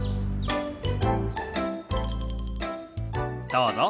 どうぞ。